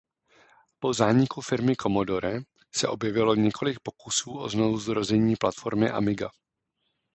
Po zániku firmy Commodore se objevilo několik pokusů o znovuzrození platformy Amiga.